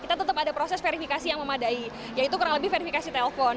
kita tetap ada proses verifikasi yang memadai yaitu kurang lebih verifikasi telepon